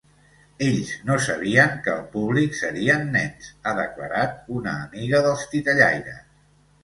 Ells no sabien que el públic serien nens, ha declarat una amiga dels titellaires.